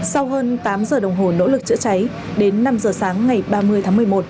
sau hơn tám giờ đồng hồ nỗ lực chữa cháy đến năm giờ sáng ngày ba mươi tháng một mươi một